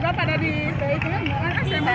pkh yang sayang doang dikasihnya